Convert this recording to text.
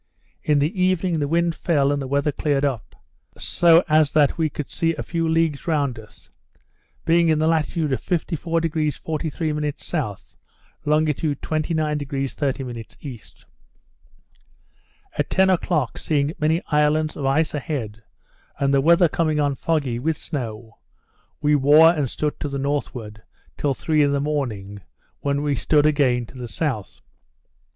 In the evening the wind fell and the weather cleared up, so as that we could see a few leagues round us; being in the latitude of 54° 43' S. longitude 29° 30' E. At ten o'clock, seeing many islands of ice a head, and the weather coming on foggy, with snow, we wore and stood to the northward, till three in the morning, when we stood again to the south.